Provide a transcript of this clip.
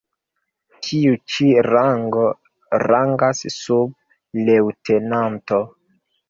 Tiu ĉi rango rangas sub leŭtenanto.